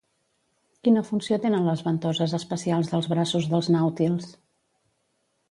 Quina funció tenen les ventoses especials dels braços dels nàutils?